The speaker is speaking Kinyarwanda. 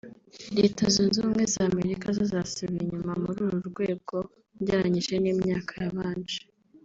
Leta Zunze Ubumwe za Amerika zo zasubiye inyuma muri uru rwego ugereranyije n’imyaka yabanje